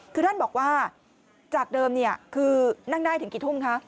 คือท่านบอกว่าจากเดิมคือนั่งได้ถึงกี่ทุ่มคะ